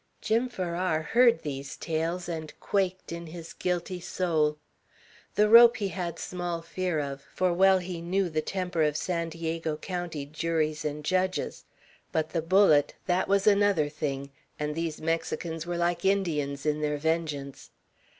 Jim Farrar heard these tales, and quaked in his guilty soul. The rope he had small fear of, for well he knew the temper of San Diego County juries and judges; but the bullet, that was another thing; and these Mexicans were like Indians in their vengeance.